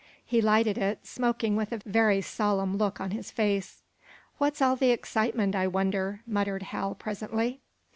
He lighted it, smoking with a very solemn look on his face. "What's all the excitement, I wonder?" muttered Hal, presently.